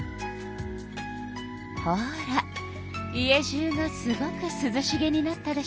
ほら家じゅうがすごくすずしげになったでしょ。